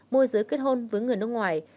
mua giới kết hôn với người nước ngoài